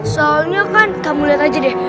soalnya kan kamu lihat aja deh